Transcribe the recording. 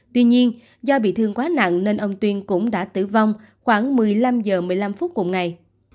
tuy nhiên do bị thương quá nặng nên ông tuyên cũng đã tử vong khoảng một mươi năm h một mươi năm phút cùng ngày